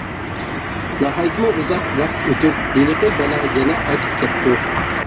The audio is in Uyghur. ناھايىتىمۇ ئۇزاق ۋاقىت ئۆتۈپ، ھېلىقى بالا يەنە قايتىپ كەپتۇ.